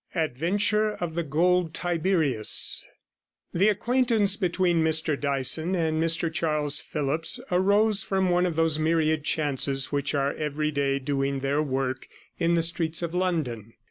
ADVENTURE OF THE GOLD TIBERIUS The acquaintance between Mr Dyson and Mr Charles Phillipps arose from one of those myriad chances which are every day doing their work in the streets of London.